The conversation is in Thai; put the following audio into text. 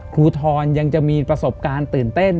ทรยังจะมีประสบการณ์ตื่นเต้น